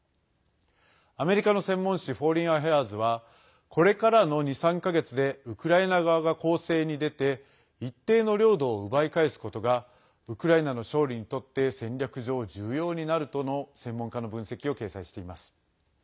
アメリカの専門誌「フォーリンアフェアーズ」はこれからの２、３か月でウクライナ側が攻勢に出て一定の領土を奪い返すことがウクライナの勝利にとって戦略上重要になるとの専門家の分析を掲載しています。